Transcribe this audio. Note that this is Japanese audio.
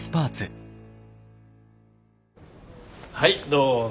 はいどうぞ。